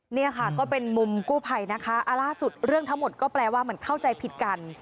เนี่ยค่ะก็เป็นมุมกู้ภัยนะคะล่าสุดเรื่องทั้งหมดก็แปลว่าเหมือนเข้าใจผิดกัน